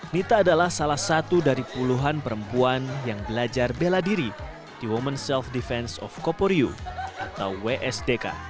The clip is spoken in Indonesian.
nita adalah salah satu dari puluhan perempuan yang belajar bela diri di women self defense of coporyu atau wsdk